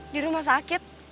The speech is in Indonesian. di rumah sakit